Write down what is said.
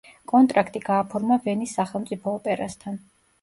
კონტრაქტი გააფორმა ვენის სახელმწიფო ოპერასთან.